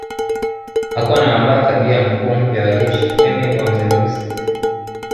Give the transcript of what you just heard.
Hakuwa na mamlaka juu ya mkuu mpya wa jeshi Emil Von Zelewski